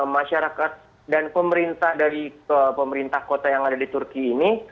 masyarakat dan pemerintah dari pemerintah kota yang ada di turki ini